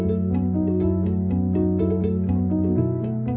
kedua adalah lorsque rejalita transaksi